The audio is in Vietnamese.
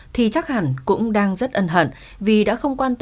thì chắc hẳn cũng đang rất ân hận